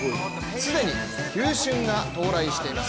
既に球春が到来しています